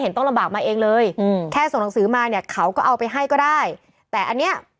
ส่งหนังสือมาให้เขาก็ได้